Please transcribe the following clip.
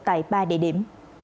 tại ba địa điểm